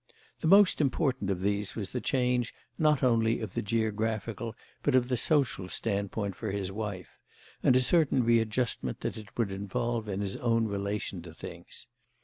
The most important of these was the change not only of the geographical but of the social standpoint for his wife, and a certain readjustment that it would involve in his own relation to things.